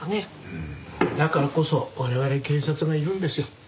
だからこそ我々警察がいるんですよ。